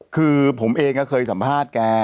คือผมเองก็เคยสัมภาษณ์แก